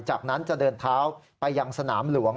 จากนั้นจะเดินเท้าไปยังสนามหลวง